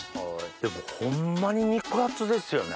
でもホンマに肉厚ですよね